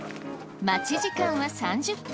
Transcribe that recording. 待ち時間は３０分。